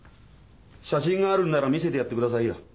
写真があるんなら見せてやってくださいよ。